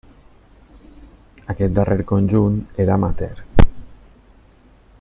Aquest darrer conjunt era amateur.